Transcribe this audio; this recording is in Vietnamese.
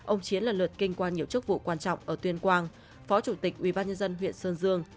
ông chiến là lượt kinh quan nhiều chức vụ quan trọng ở tuyên quang phó chủ tịch ủy ban nhân dân huyện sơn dương